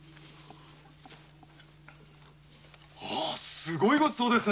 すごいごちそうですね。